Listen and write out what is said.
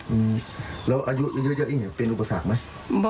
อืมแล้วอายุเยอะอีกหนึ่งไปเป็นอุปสรรคไหม